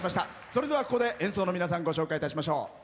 それではここで演奏の皆さんご紹介いたしましょう。